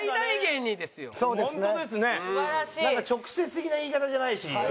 直接的な言い方じゃないし。